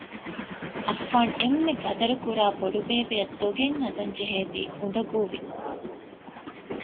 އައްފާން އެންމެ ޤަދަރުކުރާ ބޮޑުބެއަށް ދޮގެއް ހަދަން ޖެހޭތީ އުނދަގޫވި